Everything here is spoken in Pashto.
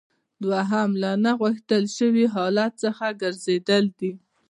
دوهم له نه غوښتل شوي حالت څخه ګرځیدل دي.